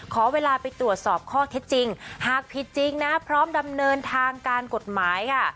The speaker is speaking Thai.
ขอเวลาไปตรวจสอบข้อเท็จจริงหากผิดจริงนะพร้อมดำเนินทางการกฎหมายค่ะ